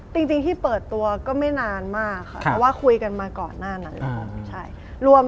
จริงที่เปิดตัวก็ไม่นานมากค่ะเพราะว่าคุยกันมาก่อนหน้านั้นแล้วค่ะ